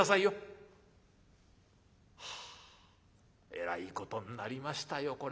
はあえらいことになりましたよ